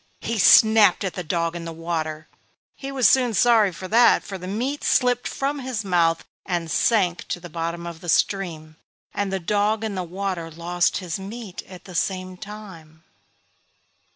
He snapped at the dog in the water. He was soon sorry for that, for the meat slipped from his mouth and sank to the bottom of the stream, and the dog in the water lost his meat at the same time.